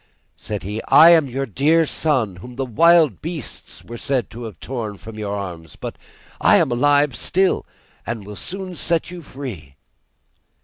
Said he: 'I am your dear son, whom the wild beasts were said to have torn from your arms; but I am alive still, and will soon set you free.